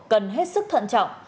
cần hết sức thận trọng